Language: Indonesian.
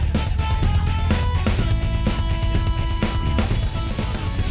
tuh aku butuh lo